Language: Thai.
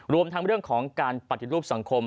รวมทั้งเรื่องของการปฏิรูปสังคม